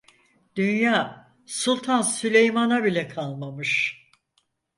Dünya Sultan Süleyman'a bile kalmamış.